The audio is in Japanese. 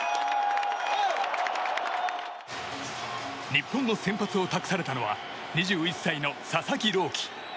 日本の先発を託されたのは２１歳の佐々木朗希。